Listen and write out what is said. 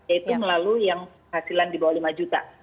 yaitu melalui yang hasilan di bawah lima juta